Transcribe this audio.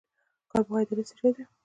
کاربوهایډریټ څه شی دی؟